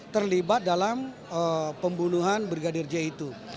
terlibat dalam pembunuhan brigadir j itu